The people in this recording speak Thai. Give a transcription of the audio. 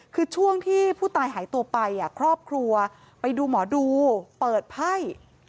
คือช่วงที่ผู้ตายหายตัวไปครอบครัวไปดูหมอดูเปิดไพ่